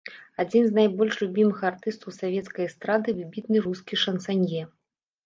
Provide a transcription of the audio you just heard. Адзін з найбольш любімых артыстаў савецкай эстрады, выбітны рускі шансанье.